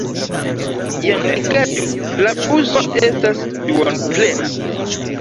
Jen rigardu: la buso estas duonplena.